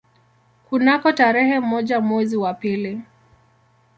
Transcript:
Kunako tarehe moja mwezi wa pili